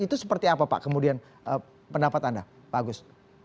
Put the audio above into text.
itu seperti apa pak kemudian pendapat anda pak agus